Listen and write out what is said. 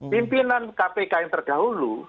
pimpinan kpk yang terdahulu